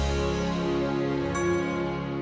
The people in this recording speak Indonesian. saya benci dibohongi